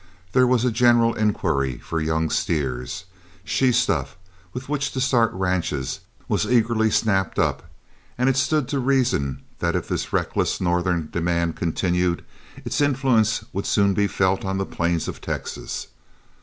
There was a general inquiry for young steers, she stuff with which to start ranches was eagerly snapped up, and it stood to reason that if this reckless Northern demand continued, its influence would soon be felt on the plains of Texas.